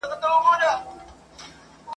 چا ویل چي دا ګړی به قیامت کیږي؟ !.